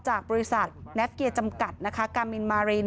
จากบริษัทแนบเกียร์จำกัดนะคะกามินมาริน